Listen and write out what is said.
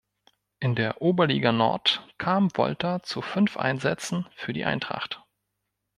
In der Oberliga Nord kam Wolter zu fünf Einsätzen für die Eintracht.